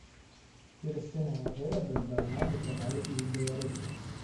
Берасцяныя вырабы здаўна бытавалі і ў беларусаў.